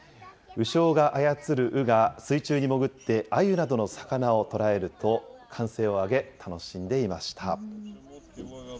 鵜匠が操る鵜が水中に潜って、アユなどの魚を捕らえると、歓声を上げ楽しんでいました。